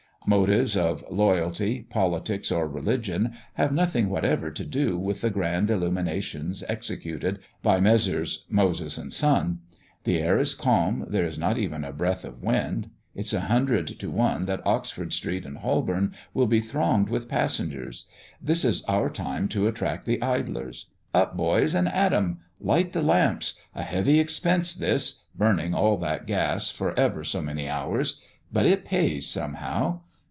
Motives of loyalty, politics, or religion, have nothing whatever to do with the grand illuminations executed by Messrs. Moses and Son. The air is calm, there is not even a breath of wind; it's a hundred to one that Oxford Street and Holborn will be thronged with passengers; this is our time to attract the idlers. Up, boys, and at them! light the lamps! A heavy expense this, burning all that gas for ever so many hours; but it pays, somehow.